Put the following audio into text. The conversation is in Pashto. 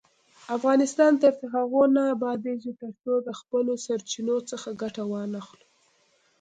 افغانستان تر هغو نه ابادیږي، ترڅو د خپلو سرچینو څخه ګټه وانخلو.